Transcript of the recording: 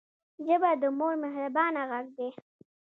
ژبه د مور مهربانه غږ دی